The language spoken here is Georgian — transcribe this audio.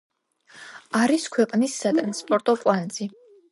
არის ქვეყნის სატრანსპორტო კვანძი.